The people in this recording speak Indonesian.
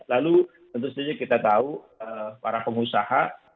lalu tentu saja kita tahu para pengusaha